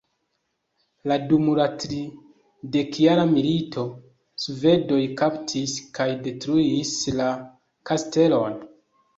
La dum la tridekjara milito, Svedoj kaptis kaj detruis la kastelon.